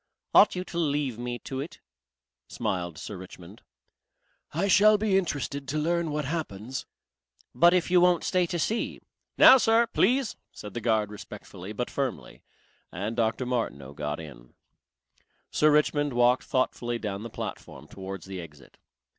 "Ought you to leave me to it?" smiled Sir Richmond. "I shall be interested to learn what happens." "But if you won't stay to see!" "Now Sir, please," said the guard respectfully but firmly, and Dr. Martineau got in. Sir Richmond walked thoughtfully down the platform towards the exit.